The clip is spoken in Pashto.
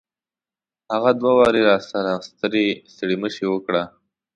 هغه دوه واري راسره ستړي مشي وکړه.